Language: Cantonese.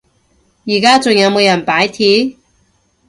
而家仲有冇人罷鐵？